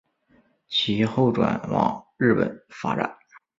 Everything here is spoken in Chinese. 其后转往日本发展。